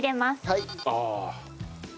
はい！